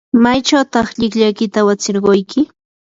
¿maychawtaq llikllaykita awatsirquyki?